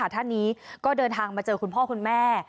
ท่านนี้ก็เดินทางมาเจอคุณพ่อคุณแม่